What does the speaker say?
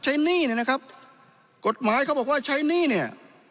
หนี้เนี่ยนะครับกฎหมายเขาบอกว่าใช้หนี้เนี่ย